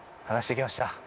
話してきました。